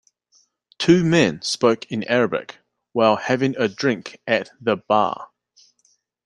Two men spoke in Arabic while having a drink at the bar.